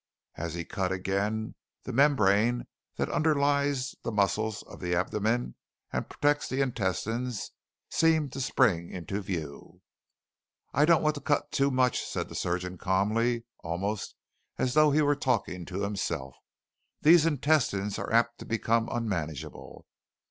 As he cut again, the membrane that underlies the muscles of the abdomen and protects the intestines seemed to spring into view. "I don't want to cut too much," said the surgeon calmly almost as though he were talking to himself. "These intestines are apt to become unmanageable.